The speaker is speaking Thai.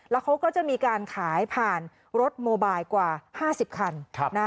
แล้วเขาก็จะมีการขายผ่านรถโมบายกว่า๕๐คัน